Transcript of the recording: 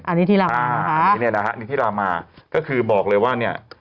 อันนี้ที่ราบมาก็คือบอกเลยว่า